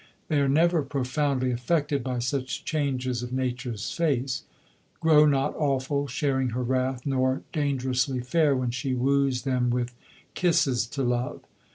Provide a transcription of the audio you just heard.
They are never profoundly affected by such changes of Nature's face; grow not awful, sharing her wrath, nor dangerously fair when she woos them with kisses to love.